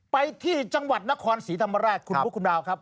ไปที่จังหวัดนครศรีธรรมราชคุณบุ๊คคุณดาวครับ